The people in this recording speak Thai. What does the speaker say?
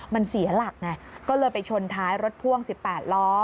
มันเสียหลักไงก็เลยไปชนท้ายรถพ่วง๑๘ล้อ